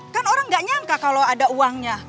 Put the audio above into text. kan orang nggak nyangka kalau ada uangnya